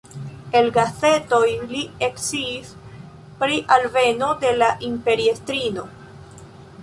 El gazetoj li eksciis pri alveno de la imperiestrino.